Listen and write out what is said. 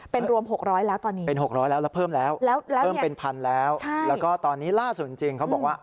เป็นรวม๖๐๐แล้วตอนนี้แล้วเพิ่มเป็นพันแล้วแล้วก็ตอนนี้ล่าสุดจริงเขาบอกว่า